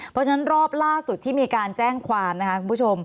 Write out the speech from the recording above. เพราะฉะนั้นรอบล่าสุดที่มีการแจ้งความนะคะคุณผู้ชม